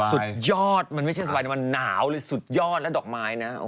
สุดยอดมันไม่ใช่สบายมันหนาวเลยสุดยอดแล้วดอกไม้นะ